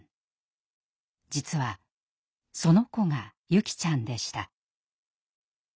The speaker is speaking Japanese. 実はその子が優希ちゃんでした。